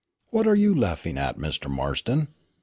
What are you laughing at, Mr. Marston?